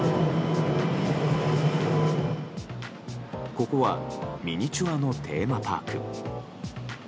ここはミニチュアのテーマパーク。